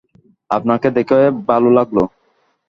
আপনাকে দেখে ভালো লাগলো।